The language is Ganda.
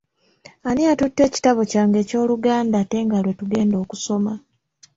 Ani atutte ekitabo kyange eky'Oluganda ate nga lwe tugenda okusoma?